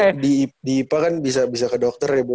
tapi kalo di ipa kan bisa ke dokter ya